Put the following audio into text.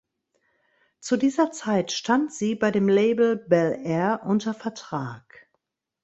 Zu dieser Zeit stand sie bei dem Label Bel Air unter Vertrag.